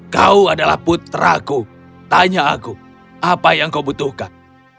kau adalah putraku tanya aku apa yang kau butuhkan